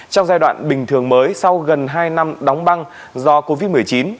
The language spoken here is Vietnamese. trong giai đoạn bình thường mới sau gần hai năm đóng băng do covid một mươi chín